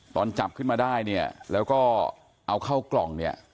ตอนจับขึ้นมาได้เนี่ยแล้วก็เอาเข้ากล่องเนี่ย